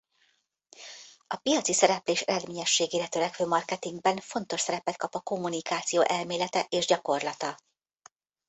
A piaci szereplés eredményességére törekvő marketingben fontos szerepet kap a kommunikáció elmélete és gyakorlata.